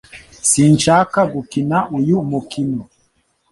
Sinshaka gukina uyu mukino